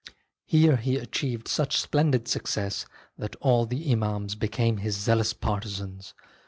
Here he achieved such splendid success that all the Imams became his zealous partisans.